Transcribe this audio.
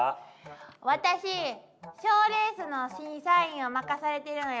私賞レースの審査員を任されているのよ。